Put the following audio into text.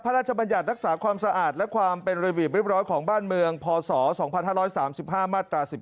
พระราชบัญญาณรักษาความสะอาดและความเป็นรวิบริบร้อยของบ้านเมืองพศ๒๕๓๕ม๑๙